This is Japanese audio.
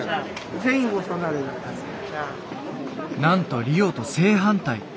なんとリオと正反対。